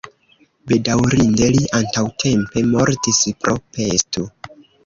Bedaŭrinde li antaŭtempe mortis pro pesto.